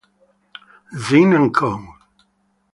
Zim and Co.